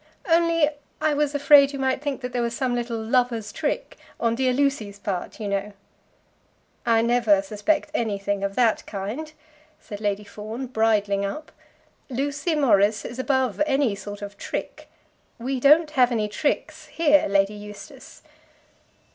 "Only I was afraid you might think that there was some little lover's trick, on dear Lucy's part, you know." "I never suspect anything of that kind," said Lady Fawn, bridling up. "Lucy Morris is above any sort of trick. We don't have any tricks here, Lady Eustace."